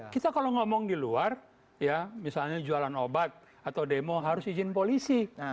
kita kalau ngomong di luar ya misalnya jualan obat atau demo harus izin polisi